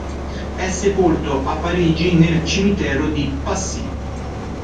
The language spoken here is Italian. È sepolto a Parigi nel cimitero di Passy.